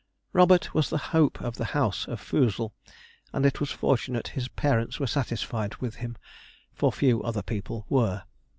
Robert was the hope of the house of Foozle; and it was fortunate his parents were satisfied with him, for few other people were.